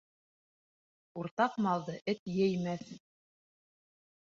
Уртаҡ малды эт еймәҫ.